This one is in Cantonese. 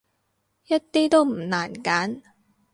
一啲都唔難揀